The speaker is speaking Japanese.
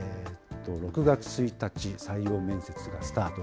６月１日、採用面接がスタート。